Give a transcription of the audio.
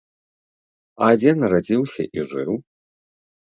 А дзе нарадзіўся і жыў?